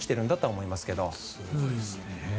すごいですね。